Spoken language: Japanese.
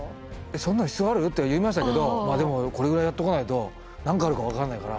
「そんなの必要ある？」って言いましたけどまあでもこれぐらいやっておかないと何があるか分からないから。